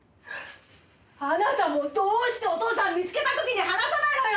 あなたもどうしてお父さん見つけた時に話さないのよ